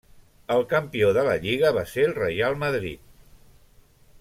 El campió de la Lliga va ser el Real Madrid.